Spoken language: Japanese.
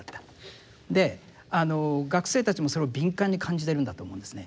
で学生たちもそれを敏感に感じてるんだと思うんですね。